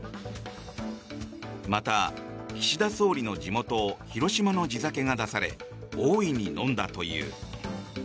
また、岸田総理の地元・広島の地酒が出され大いに飲んだという。